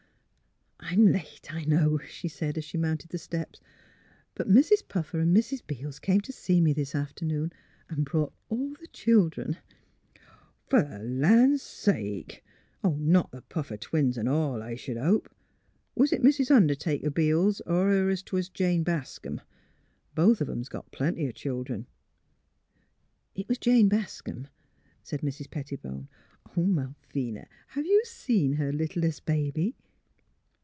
"I'm late, I know," she said, as she mounted the steps, *' but Mrs. Puffer and Mrs. Beels came to see me this afternoon and brought all the chil dren." " Fer th' land sake! — not th' Puffer twins 'n* all, I sh'd hope? Was it Mis' Undertaker Beels or her 'twas Jane Bascom? Both of 'em's got plenty o' childern." It was Jane Bascom," said Mrs. Pettibone. " Oh, Malvina ! have you seen her littlest baby?